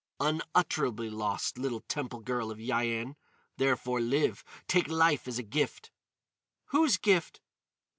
"Unutterably lost, little temple girl of Yian. Therefore, live. Take life as a gift!" "Whose gift?"